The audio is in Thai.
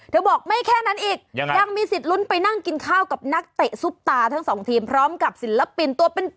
บอกไม่แค่นั้นอีกยังมีสิทธิ์ลุ้นไปนั่งกินข้าวกับนักเตะซุปตาทั้งสองทีมพร้อมกับศิลปินตัวเป็น